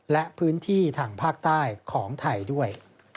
และพื้นที่ทางภาคใต้ของไทยด้วย